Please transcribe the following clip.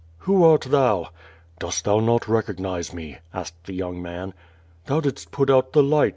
^'AMio art thou?'* "Dost thou not recognize me?" asked the young man. "Thou didst put out the light.